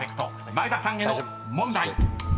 ［前田さんへの問題］